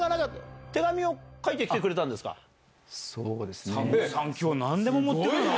そうですね。